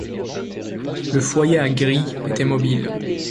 Le foyer à grille était mobile.